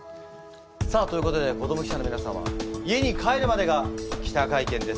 さあということで子ども記者の皆様家に帰るまでが記者会見です。